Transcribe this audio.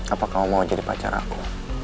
apa kamu mau jadi pacar aku